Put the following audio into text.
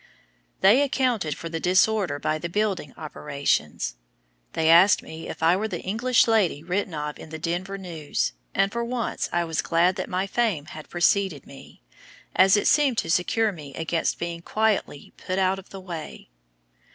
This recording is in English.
They accounted for the disorder by the building operations. They asked me if I were the English lady written of in the Denver News, and for once I was glad that my fame had preceded me, as it seemed to secure me against being quietly "put out of the way."